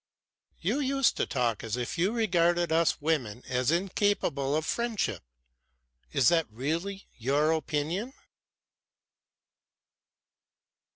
"You used to talk as if you regarded us women as incapable of friendship. Is that really your opinion?"